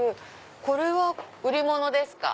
これは売り物ですか？